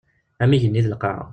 Am yigenni d lqaɛa.